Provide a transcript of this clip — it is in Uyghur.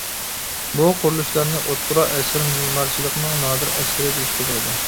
بۇ قۇرۇلۇشلارنى ئوتتۇرا ئەسىر مېمارچىلىقىنىڭ نادىر ئەسىرى دېيىشكە بولىدۇ.